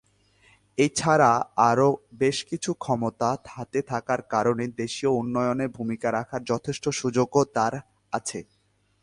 এছাড়া আরো বেশ কিছু ক্ষমতা হাতে থাকার কারণে দেশীয় উন্নয়নে ভূমিকা রাখার যথেষ্ট সুযোগও তার আছে।